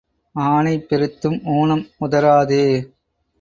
ஆனை பெருத்தும் ஊனம் உதறாதே.